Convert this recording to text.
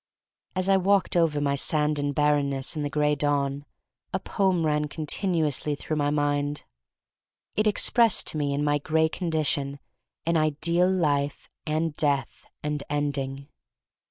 As I walked over my sand and bar renness In the Gray Dawn a poem ran continuously through my mind. It ex pressed to me in my gray condition an ideal life and death and ending.